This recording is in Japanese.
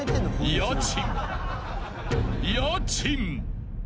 ［家賃！］